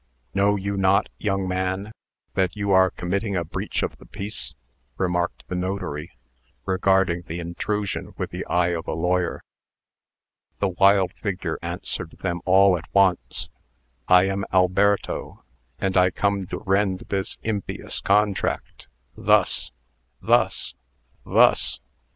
"Know you not, young man, that you are committing a breach of the peace?" remarked the notary, regarding the intrusion with the eye of a lawyer. The wild figure answered them all at once: "I am Alberto, and I come to rend this impious contract thus thus thus!"